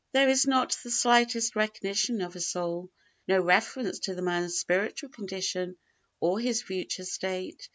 There is not the slightest recognition of a soul, no reference to the man's spiritual condition or his future state.